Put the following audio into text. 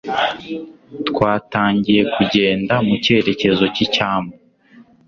Twatangiye kugenda mu cyerekezo cy'icyambu.